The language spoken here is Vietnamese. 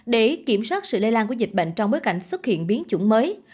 để kiểm soát sự lây lan của dịch bệnh trong bối cảnh xuất hiện biến chủng mới